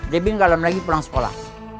debi nggak lama lagi pulang sekolah